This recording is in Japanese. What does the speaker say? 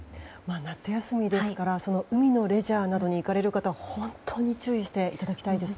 夏休みですから海のレジャーなどに行かれる方本当に注意していただきたいですね。